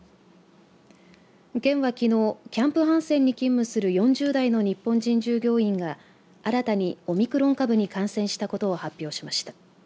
県は、きのうキャンプハンセンに勤務する４０代の日本人従業員が新たにオミクロン株に感染したことを発表しました。